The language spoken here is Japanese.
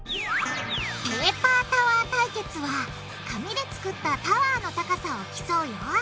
ペーパータワー対決は紙で作ったタワーの高さを競うよ